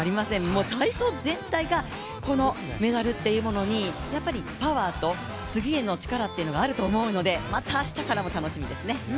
もう体操全体がこのメダルというものにやっぱりパワーと次への力っていうのがあると思うのでまたあしたからも楽しみですね。